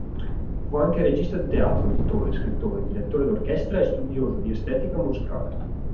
Fu anche regista di teatro, editore, scrittore, direttore d'orchestra e studioso di estetica musicale.